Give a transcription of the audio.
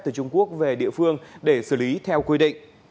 từ trung quốc về địa phương để xử lý theo quy định